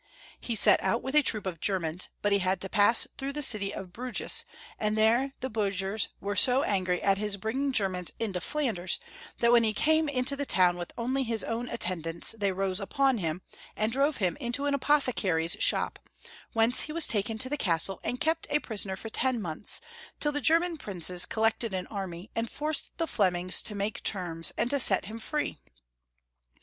He set out with a troop of Germans, but he had to pass' through the city of Bruges, and there the burg Friedrich III. 258 hers were so angry at his bringing Germans into Flanders, that when he came into the town with only his own attendants, they rose upon him, and drove him into an apothecary's shop, whence he was taken to the castle and kept a prisoner for ten months, till the German princes collected an army and forced the Flemings to make terms, and to set him free.